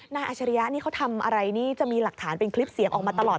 อาชริยะนี่เขาทำอะไรนี่จะมีหลักฐานเป็นคลิปเสียงออกมาตลอด